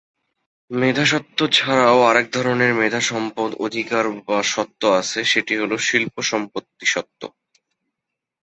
মেধাস্বত্ব ছাড়াও আরেক ধরনের মেধা সম্পদ অধিকার বা স্বত্ব আছে, সেটি হল শিল্প সম্পত্তি স্বত্ব।